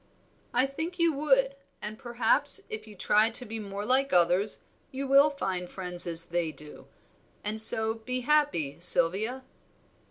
"I think you would, and perhaps if you try to be more like others you will find friends as they do, and so be happy, Sylvia."